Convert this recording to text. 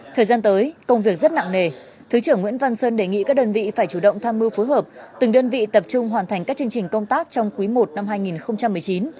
thời gian tới công việc rất nặng nề thứ trưởng nguyễn văn sơn đề nghị các đơn vị phải chủ động tham mưu phối hợp từng đơn vị tập trung hoàn thành các chương trình công tác trong quý i năm hai nghìn một mươi chín